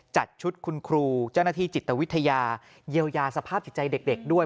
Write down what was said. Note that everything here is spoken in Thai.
จัดชุดคุณครูเจ้าหน้าที่จิตวิทยาเยียวยาสภาพจิตใจเด็กด้วย